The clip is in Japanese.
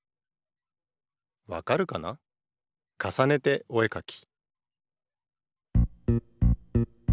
「わかるかな？かさねておえかき」